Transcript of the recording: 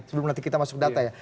sebelum nanti kita masuk data ya